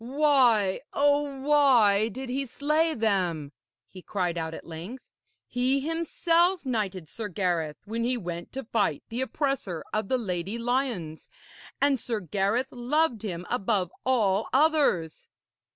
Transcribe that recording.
'Why, oh why, did he slay them?' he cried out at length. 'He himself knighted Sir Gareth when he went to fight the oppressor of the Lady Lyones, and Sir Gareth loved him above all others.'